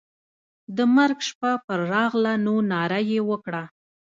د مرګ شپه پر راغله نو ناره یې وکړه.